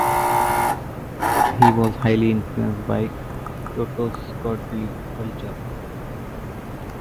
He was highly influenced by Kyoto's courtly culture.